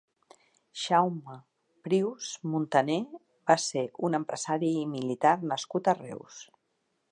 Jaume Prius Montaner va ser un empresari i militar nascut a Reus.